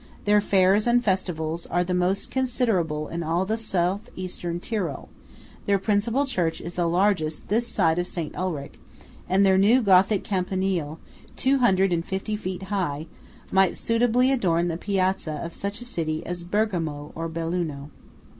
Their fairs and festivals are the most considerable in all the South Eastern Tyrol; their principal church is the largest this side of St. Ulrich; and their new gothic Campanile, 250 feet high, might suitably adorn the piazza of such a city as Bergamo or Belluno.